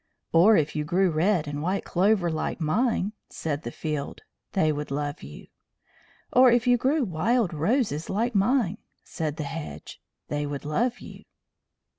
"Or if you grew red and white clover like mine," said the Field, "they would love you." "Or if you grew wild roses like mine," said the Hedge, "they would love you."